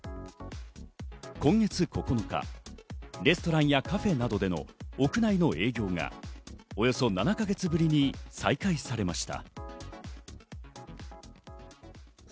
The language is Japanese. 今月９日、レストランやカフェなどでの屋内の営業がおよそ７か月ぶりに再開されました。